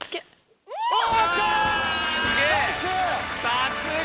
さすが！